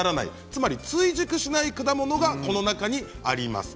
つまり、追熟しない果物がこの中にあります。